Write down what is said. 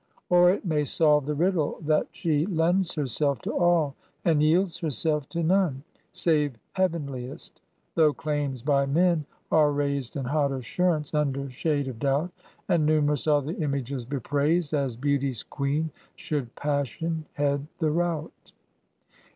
Or it may solve the riddle, that she lends Herself to all, and yields herself to none, Save heavenliest: though claims by men are raised In hot assurance under shade of doubt: And numerous are the images bepraised As Beauty's Queen, should passion head the rout.